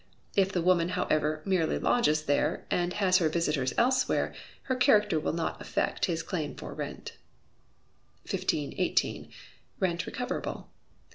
If the woman, however, merely lodges there, and has her visitors elsewhere, her character will not affect his claim for rent. 1518. Rent Recoverable.